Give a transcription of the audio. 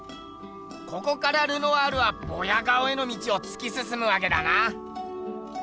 ここからルノワールはボヤ顔への道をつきすすむわけだな。